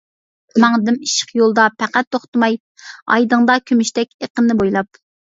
ماڭدىم ئىشق يولىدا پەقەت توختىماي، ئايدىڭدا كۈمۈشتەك ئېقىننى بويلاپ.